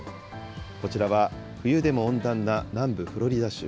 こちらは冬でも温暖な南部フロリダ州。